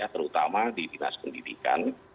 terutama di dinas pendidikan